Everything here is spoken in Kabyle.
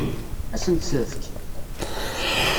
Ad sen-t-tefk?